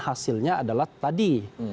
hasilnya adalah tadi